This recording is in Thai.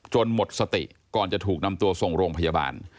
หมดสติก่อนจะถูกนำตัวส่งโรงพยาบาล